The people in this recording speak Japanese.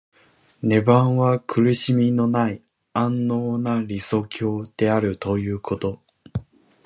涅槃は苦しみのない安穏な理想郷であるということ。